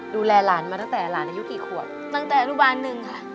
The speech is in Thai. ดูแลหลานมาตั้งแต่หลานอายุกี่ขวบตั้งแต่อนุบาลหนึ่งค่ะ